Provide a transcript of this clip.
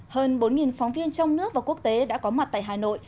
hơn bốn phóng viên trong nước và quốc tế đã có mặt tại hà nội